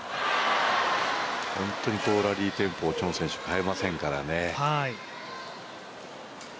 本当にラリーテンポをチョン選手、変えませんね。